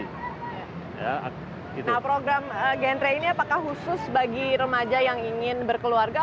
nah program genre ini apakah khusus bagi remaja yang ingin berkeluarga